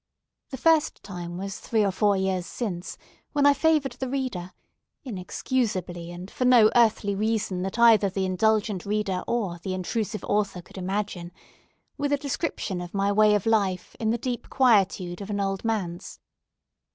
The first time was three or four years since, when I favoured the reader—inexcusably, and for no earthly reason that either the indulgent reader or the intrusive author could imagine—with a description of my way of life in the deep quietude of an Old Manse.